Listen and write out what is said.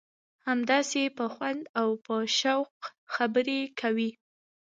همداسې په خوند او په شوق خبرې کوي.